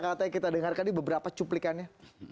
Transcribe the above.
katanya kita dengarkan di beberapa cuplikannya